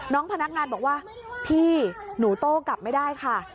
พนักงานบอกว่าพี่หนูโต้กลับไม่ได้ค่ะ